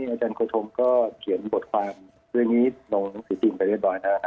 อาจารย์กฤฮมก็เขียนบทความเรื่องนี้ตรงหนังสือจริงไปเรื่อย